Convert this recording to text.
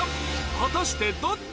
果たしてどっち？